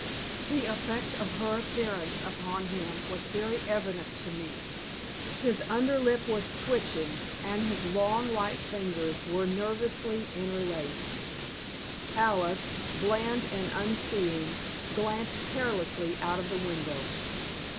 The effect of her appearance upon him was very evident to me. His under lip was twitching, and his long, white fingers were nervously interlaced. Alice, bland and unseeing, glanced carelessly out of the window.